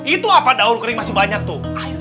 itu apa daun kering masih banyak tuh